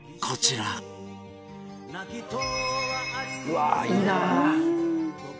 「うわーいいなー！」